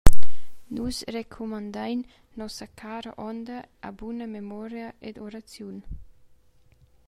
Nus recumandein nossa cara onda a buna memoria ed oraziun.